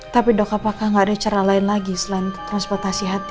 tapi dok apakah nggak ada cara lain lagi selain transportasi hati